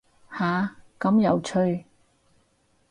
下，咁有趣